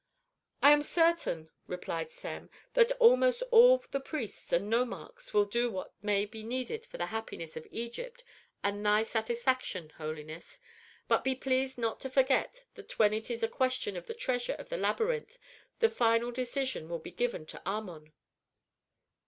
"I am certain," replied Sem, "that almost all the priests and nomarchs will do what may be needed for the happiness of Egypt and thy satisfaction, holiness. But be pleased not to forget that when it is a question of the treasure of the labyrinth the final decision will be given to Amon."